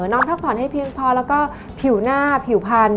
น้องพักผ่อนให้เพียงพอแล้วก็ผิวหน้าผิวพันธ